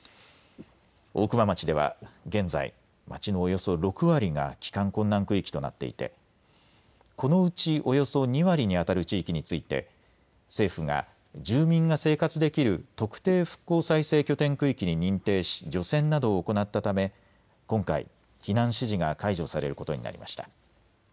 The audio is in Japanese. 大熊町では現在、町のおよそ６割が帰還困難区域となっていてこのうちおよそ２割に当たる地域について政府が、住民が生活できる特定復興再生拠点区域に認定し除染などを行ったため今回、避難指示が解除されることになりました。